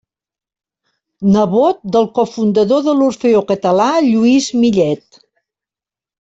Nebot del cofundador de l'Orfeó Català Lluís Millet.